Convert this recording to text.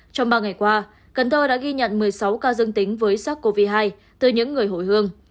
trong ba ngày qua cần thơ đã ghi nhận một mươi sáu ca dương tính với sars cov hai từ những người hồi hương